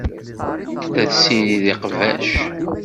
La tessirid iqbac.